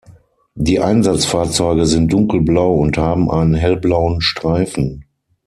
Die Einsatzfahrzeuge sind dunkelblau und haben einen hellblauen Streifen.